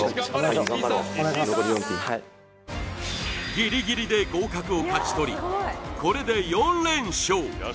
ギリギリで合格を勝ち取りこれで４連勝！